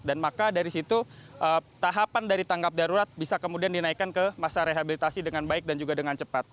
dan maka dari situ tahapan dari tanggap darurat bisa kemudian dinaikkan ke masa rehabilitasi dengan baik dan juga dengan cepat